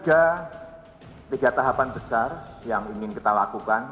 ada tiga tahapan besar yang ingin kita lakukan